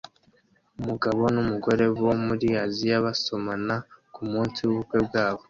Umugabo n'umugore bo muri Aziya basomana kumunsi w'ubukwe bwabo